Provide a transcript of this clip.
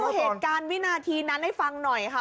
เหตุการณ์วินาทีนั้นให้ฟังหน่อยค่ะ